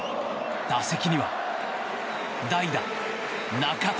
打席には代打、中田。